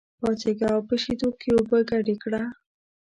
پاڅېږه او په شېدو کې اوبه ګډې کړه.